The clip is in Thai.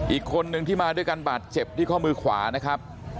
อีกคนนึงที่มาด้วยกันบาดเจ็บที่ข้อมือขวานะครับ